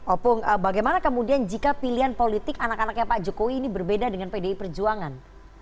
opung bagaimana kemudian jika pilihan politik anak anaknya pak jokowi ini berbeda dengan pdi perjuangan